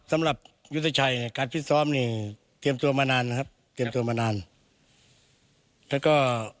สำหรับยุทธชัยการฟิตซ้อมนี่เตรียมตัวมานานนะครับเตรียมตัวมานานแล้วก็